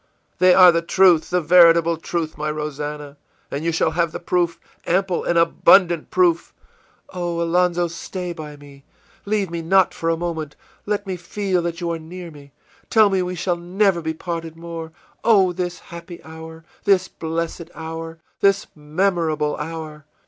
î ìThey are the truth, the veritable truth, my Rosannah, and you shall have the proof, ample and abundant proof!î ìOh; Alonzo, stay by me! Leave me not for a moment! Let me feel that you are near me! Tell me we shall never be parted more! Oh, this happy hour, this blessed hour, this memorable hour!